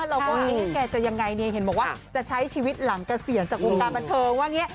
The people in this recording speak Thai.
เราก็คิดว่าแกจะยังไงเห็นบอกว่าจะใช้ชีวิตหลั่งเกษียณจากองค์กลาบันเทิงว่างี้